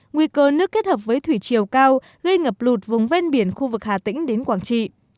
nguy cơ nước kết hợp với thủy chiều cao gây ngập lụt vùng ven biển khu vực hà tĩnh đến quảng trị